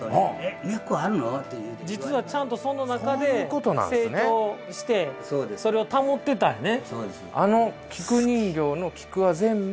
実はちゃんとそんな中で成長してそれを保ってたんやね。